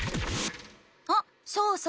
あそうそう！